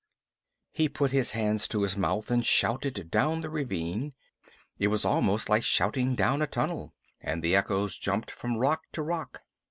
He put his hands to his mouth and shouted down the ravine it was almost like shouting down a tunnel and the echoes jumped from rock to rock.